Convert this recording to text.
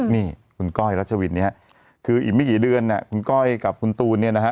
นี่คุณก้อยรัชวินเนี่ยคืออีกไม่กี่เดือนเนี่ยคุณก้อยกับคุณตูนเนี่ยนะฮะ